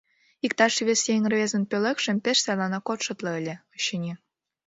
Иктаж вес еҥ рвезын пӧлекшым пеш сайланак ок шотло ыле, очыни.